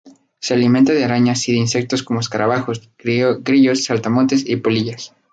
Se alimenta de arañas y de insectos como escarabajos, grillos, saltamontes y polillas.